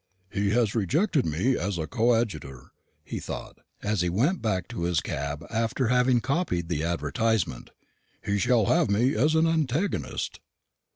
"He has rejected me as a coadjutor," he thought, as he went back to his cab after having copied the advertisement; "he shall have me as an antagonist."